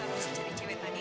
hari keses begini sandron